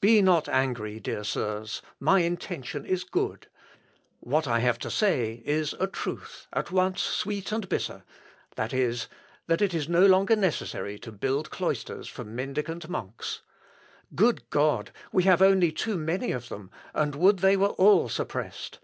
Be not angry, dear Sirs, my intention is good; what I have to say is a truth at once sweet and bitter; viz., that it is no longer necessary to build cloisters for mendicant monks. Good God! we have only too many of them, and would they were all suppressed....